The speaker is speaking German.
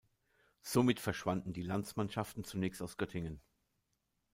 Somit verschwanden die Landsmannschaften zunächst aus Göttingen.